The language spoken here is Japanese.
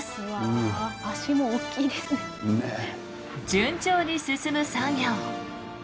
順調に進む作業。